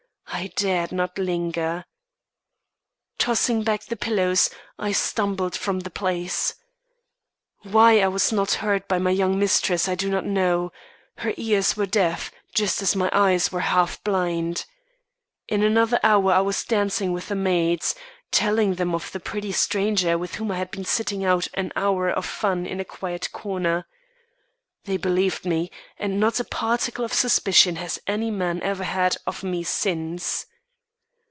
I dared not linger. Tossing back the pillows, I stumbled from the place. Why I was not heard by my young mistress, I do not know; her ears were deaf, just as my eyes were half blind. In a half hour I was dancing with the maids, telling them of the pretty stranger with whom I had been sitting out an hour of fun in a quiet corner. They believed me, and not a particle of suspicion has any man ever had of me since.